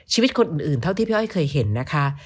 ชีวิตคนอื่นเท่าที่พี่อ้อยเคยเห็นนะคะ